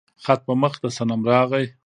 خط په مخ د صنم راغى